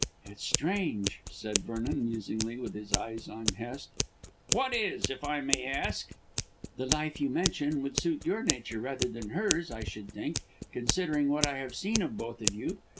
"It's strange," said Vernon, musingly, with his eyes on Hest. "What is, if I may ask?" "The life you mention would suit your nature rather than hers, I should think, considering what I have seen of both of you.